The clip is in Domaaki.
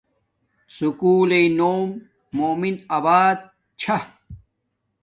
سکُول لݵݵ نوم مومن ابات چھا